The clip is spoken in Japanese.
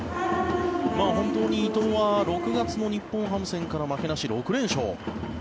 本当に伊藤は６月の日本ハム戦から負けなし、６連勝。